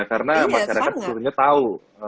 karena masyarakat seluruhnya tahu